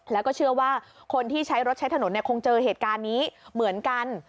แล้วก็เชื่อว่าคนที่ใช้รถใช้ถนนคงเจอเหตุการณ์นี้เหมือนกัน